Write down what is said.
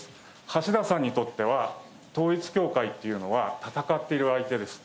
橋田さんにとっては、統一教会というのは、戦っている相手です。